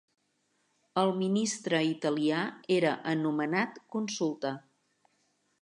El ministre italià era anomenat Consulta.